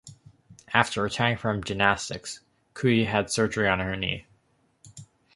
After retiring from gymnastics, Kui had surgery on her knee.